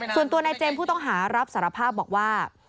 ส่วนตัวนายเจมส์ผู้ต้องหารับสารภาพบอกว่า